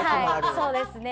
そうですね。